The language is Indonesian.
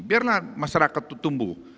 biarlah masyarakat itu tumbuh